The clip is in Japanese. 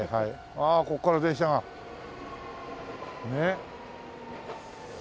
ああここから電車が。ねえ。